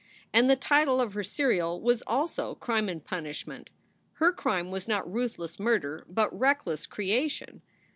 And the title of her serial was also "Crime and Punishment." Her crime was not ruthless murder, but reckless creation.